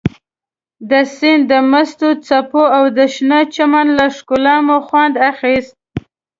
د سیند د مستو څپو او د شنه چمن له ښکلا مو خوند اخیست.